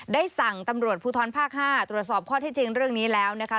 ได้สั่งตำรวจภูทรภาค๕ตรวจสอบข้อที่จริงเรื่องนี้แล้วนะคะ